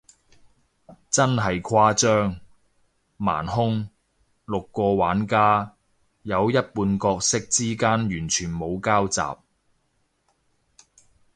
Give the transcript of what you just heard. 真係誇張，盲兇，六個玩家，有一半角色之間完全冇交集，